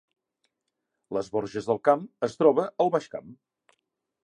Les Borges del Camp es troba al Baix Camp